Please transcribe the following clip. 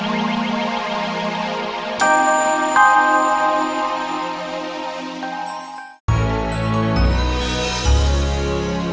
untuk menjaga keamanan